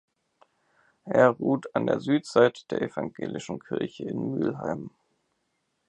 Er ruht an der Südseite der evangelischen Kirche in Müllheim.